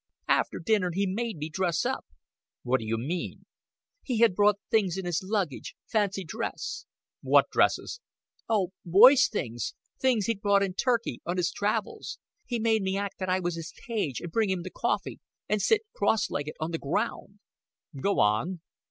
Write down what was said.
"After dinner he made me dress up." "What d'you mean?" "He had brought things in his luggage fancy dress." "What dresses?" "Oh, boy's things things he'd bought in Turkey, on his travels. He made me act that I was his page and bring the coffee, and sit cross legged on the ground." "Go on."